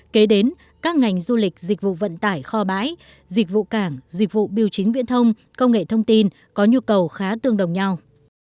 kế đến các ngành du lịch dịch vụ vận tải kho bãi dịch vụ cảng dịch vụ biểu chính viễn thông công nghệ thông tin có nhu cầu khá tương đồng nhau